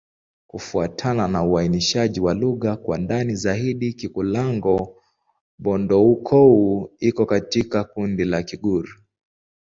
Kufuatana na uainishaji wa lugha kwa ndani zaidi, Kikulango-Bondoukou iko katika kundi la Kigur.